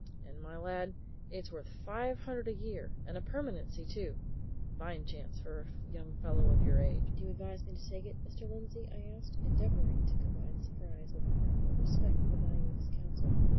And, my lad, it's worth five hundred a year and a permanency, too! A fine chance for a young fellow of your age!" "Do you advise me to take it, Mr. Lindsey?" I asked, endeavouring to combine surprise with a proper respect for the value of his counsel.